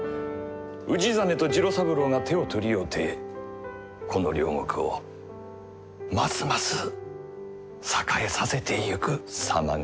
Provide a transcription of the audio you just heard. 氏真と次郎三郎が手を取り合うてこの領国をますます栄えさせてゆく様がなあ。